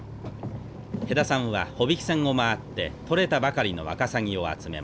辺田さんは帆引き船を回って取れたばかりのワカサギを集めます。